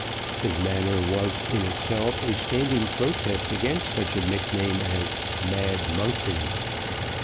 His manner was in itself a standing protest against such a nickname as "Mad Monkton."